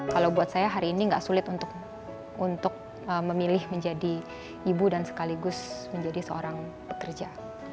kalau buat saya hari ini nggak sulit untuk memilih menjadi ibu dan sekaligus menjadi seorang pekerja